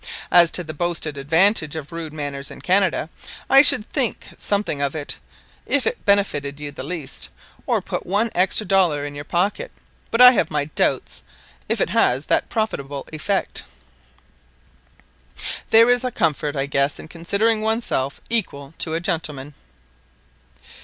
"As to the boasted advantage of rude manners in Canada, I should think something of it if it benefited you the least, or put one extra dollar in your pocket; but I have my doubts if it has that profitable effect." "There is a comfort, I guess, in considering oneself equal to a gentleman."